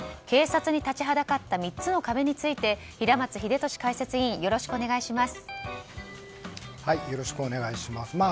警察に立ちはだかった３つの壁について平松秀敏解説委員よろしくお願いします。